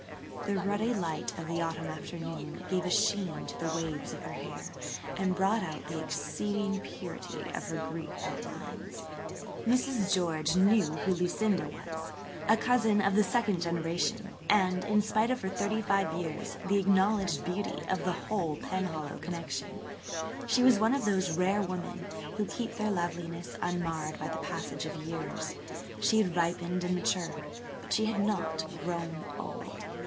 The ruddy light of the autumn afternoon gave a sheen to the waves of her hair and brought out the exceeding purity of her Greek outlines. Mrs. George knew who Lucinda was–a cousin [Page 138] of the second generation, and, in spite of her thirty five years, the acknowledged beauty of the whole Penhallow connection. She was one of those rare women who keep their loveliness unmarred by the passage of years. She had ripened and matured but she had not grown old.